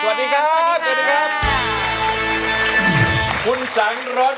สวัสดีครับ